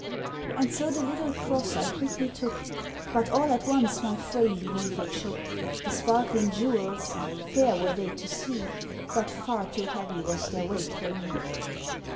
And so the little cross I quickly took, But all at once my frame beneath it shook; The sparkling jewels, fair were they to see, But far too heavy was their weight for me.